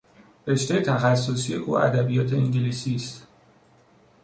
رشتهی تخصصی او ادبیات انگلیسی است.